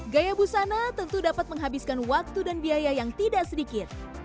gaya busana tentu dapat menghabiskan waktu dan biaya yang tidak sedikit